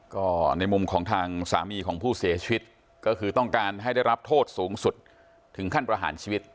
ก็ในมุมของทางสามีของผู้เสียชีวิตก็คือต้องการให้ได้รับโทษสูงสุดถึงขั้นประหารชีวิต